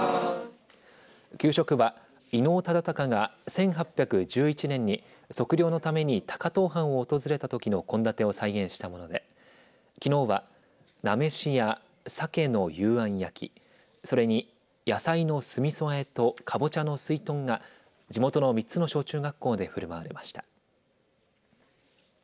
給食は伊能忠敬が１８１１年に測量のために高遠藩を訪れたときの献立を再現したものできのうは菜めしやさけの幽庵焼きそれに野菜の酢みそあえとかぼちゃのすいとんが地元の３つの小中学校でふるまわれました。